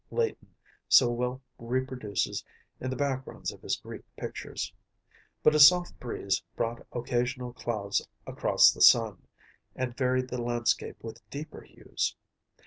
Leighton so well reproduces in the backgrounds of his Greek pictures; but a soft breeze brought occasional clouds across the sun, and varied the landscape with deeper hues.